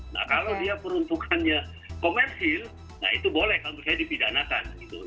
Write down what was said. nah kalau dia peruntukannya komersil nah itu boleh kalau misalnya dipidanakan